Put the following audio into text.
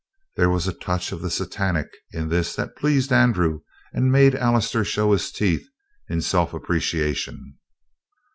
There was a touch of the Satanic in this that pleased Andrew and made Allister show his teeth in self appreciation.